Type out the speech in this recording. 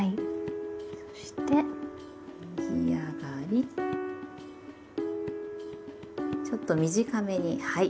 そして右上がりちょっと短めにはい。